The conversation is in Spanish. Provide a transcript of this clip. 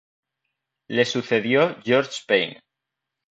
Le sucedió George Payne.